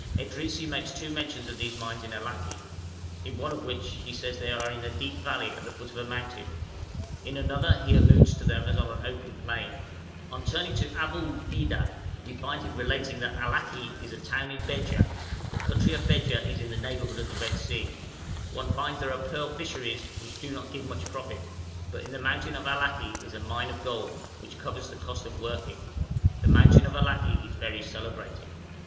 Edrisi makes two mentions of these mines of Allaki, in one of which he says they are in a deep valley at the foot of a mountain; in another he alludes to them as on an open plain. On turning to Abu'lfida, we find him relating 'that Allaki is a town of Bedja; the country of Bedja is in the neighbourhood of the Red Sea. One finds there pearl fisheries which do not give much profit, but in the mountain of Allaki is a mine of gold, which covers the cost of working. The mountain of Allaki is very celebrated.'